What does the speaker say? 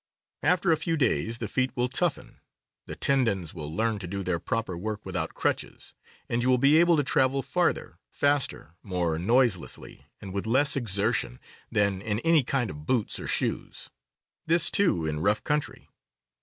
After a few days the feet will toughen, the ten dons will learn to do their proper work without crutches, and you will be able to travel farther, faster, more noise lessly, and with less exertion, than in any kind of boots or shoes. This, too, in rough country.